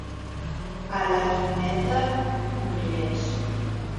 A la Guingueta, moliners.